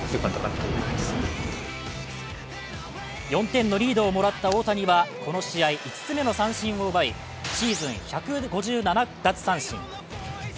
４点のリードをもらった大谷はこの試合５つ目の三振を奪い、シーズン１５７奪三振。